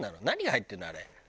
何が入ってるの？